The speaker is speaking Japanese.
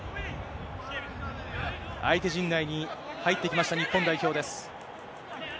相手陣内に入ってきました、日本代表です。